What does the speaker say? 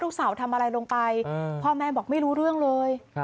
ทำอะไรลงไปพ่อแม่บอกไม่รู้เรื่องเลย